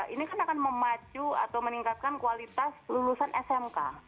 ini kan akan memacu atau meningkatkan kualitas lulusan smk